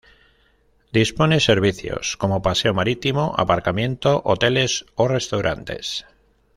Dispone servicios, como paseo marítimo, aparcamiento, hoteles o restaurantes.